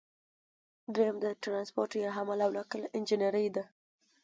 دریم د ټرانسپورټ یا حمل او نقل انجنیری ده.